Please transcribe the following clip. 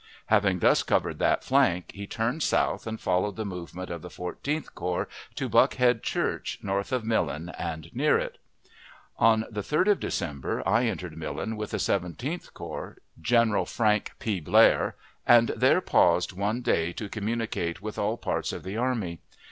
Having thus covered that flank, he turned south and followed the movement of the Fourteenth Corps to Buckhead Church, north of Millen and near it. On the 3d of December I entered Millen with the Seventeenth Corps (General Frank P. Blair), and there paused one day, to communicate with all parts of the army.